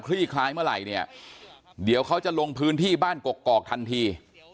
ลี่คลายเมื่อไหร่เนี่ยเดี๋ยวเขาจะลงพื้นที่บ้านกกอกทันที